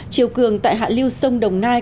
chiều cường tại hạ liu sông đồng nai